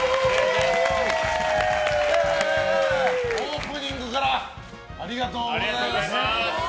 オープニングからありがとうございます。